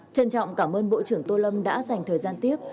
trân trọng cảm ơn bộ trưởng tô lâm đã dành thời gian tiếp